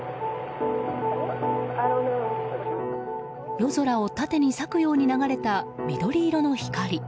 夜空を縦に裂くように流れた緑色の光。